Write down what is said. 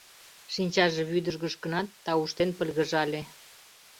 Шинчаже вӱдыжгыш гынат, тауштен пыльгыжале.